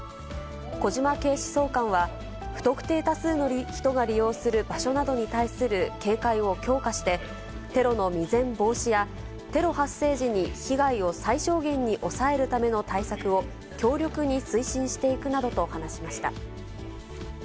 小島警視総監は、不特定多数の人が利用する場所などに対する警戒を強化して、テロの未然防止や、テロ発生時に被害を最小限に抑えるための対策を強力に推進していくなどと話しました。